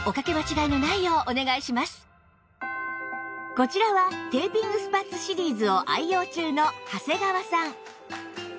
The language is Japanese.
こちらはテーピングスパッツシリーズを愛用中の長谷川さん